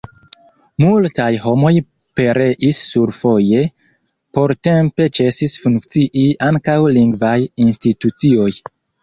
Multaj homoj pereis survoje, portempe ĉesis funkcii ankaŭ lingvaj institucioj.